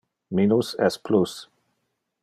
Minus es plus.